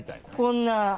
こんな。